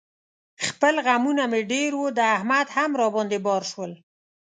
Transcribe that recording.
خپل غمونه مې ډېر و، د احمد هم را باندې بار شول.